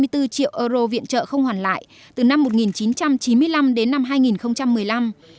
hai mươi bốn triệu euro viện trợ không hoàn lại từ năm một nghìn chín trăm chín mươi năm đến năm hai nghìn một mươi năm